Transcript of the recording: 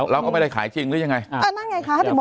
เราก็ไม่ได้ขายจริงหรือยังไงคะ